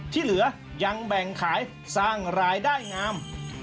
ที่เหลือยังแบ่งขายสร้างรายได้งาม